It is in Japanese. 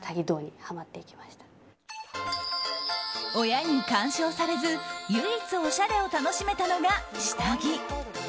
親に干渉されず唯一おしゃれを楽しめたのが下着。